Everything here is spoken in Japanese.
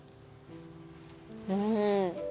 うん。